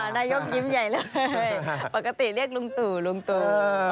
นายกยิ้มใหญ่เลยปกติเรียกลุงตู